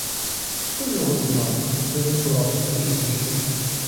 Хто його зна, де він брав ті прізвища!